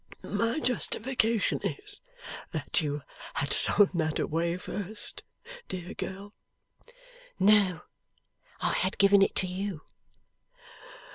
My justification is, that you had thrown that away first, dear girl!' 'No. I had given it to you.